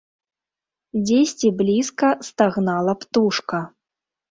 Дзесьці блізка стагнала птушка.